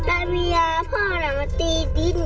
แม่เมียพ่อมาตีดิน